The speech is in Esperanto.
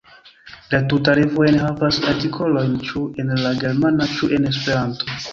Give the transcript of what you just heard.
La tuta revuo enhavas artikolojn ĉu en la Germana ĉu en Esperanto.